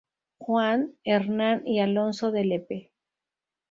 Juan, Hernán, y Alonso de Lepe.